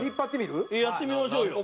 やってみましょうよ。